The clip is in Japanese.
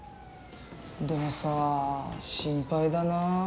でもさ心配だな。